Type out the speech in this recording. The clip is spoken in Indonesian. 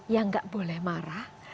yang gak boleh marah